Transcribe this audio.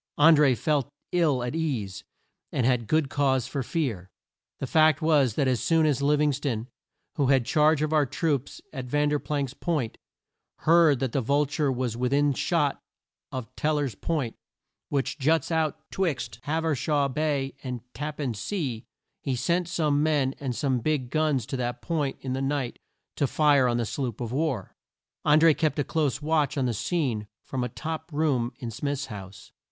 An dré felt ill at ease, and had good cause for fear. The fact was that as soon as Liv ing ston, who had charge of our troops at Ver planck's Point, heard that the Vul ture was with in shot of Tel ler's Point, which juts out 'twixt Hav er straw Bay and Tap pan Sea, he sent some men and some big guns to that point in the night to fire on the sloop of war. An dré kept a close watch on the scene from a top room in Smith's house.